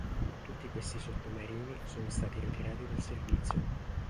Tutti questi sottomarini sono stati ritirati dal servizio.